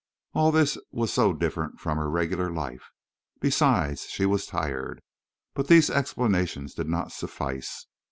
All this was so different from her regular life. Besides she was tired. But these explanations did not suffice.